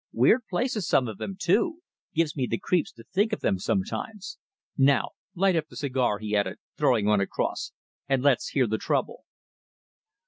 Weird places some of them, too gives me the creeps to think of them sometimes! Now light up that cigar," he added, throwing one across, "and let's hear the trouble."